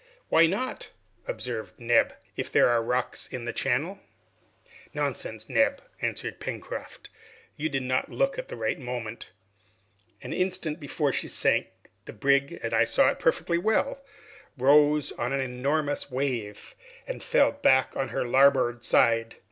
"Why not," observed Neb, "if there are rocks in the channel?" "Nonsense, Neb," answered Pencroft, "you did not look at the right moment. An instant before she sank, the brig, as I saw perfectly well, rose on an enormous wave, and fell back on her larboard side.